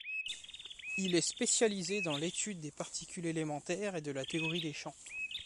Il est spécialisé dans l'étude des particules élémentaires et de la théorie des champs.